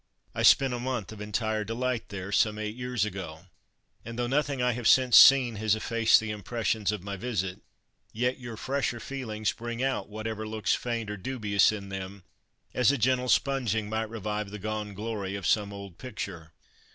"I spent a month of entire delight there some eight years ago, and tho' nothing I have since seen has effaced the impressions of my visit, yet your fresher feelings bring out whatever looks faint or dubious in them, as a gentle sponging might revive the gone glory of some old picture.